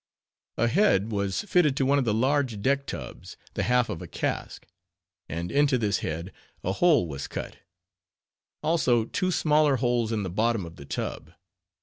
A head was fitted to one of the large deck tubs—the half of a cask; and into this head a hole was cut; also, two smaller holes in the bottom of the tub.